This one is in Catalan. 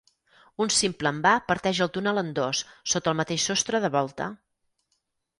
Un simple envà parteix el túnel en dos, sota el mateix sostre de volta.